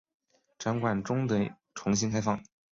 展馆终得重新开放。